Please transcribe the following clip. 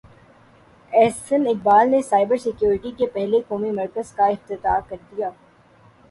احسن اقبال نے cyber security کے پہلے قومی مرکز کا افتتاح کر دیا